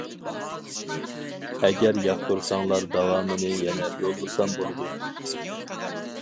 ئەگەر ياقتۇرساڭلار داۋامىنى يەنە يوللىسام بولىدۇ.